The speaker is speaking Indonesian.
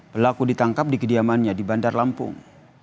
pelaku ditangkap di kediamannya di bandar lampung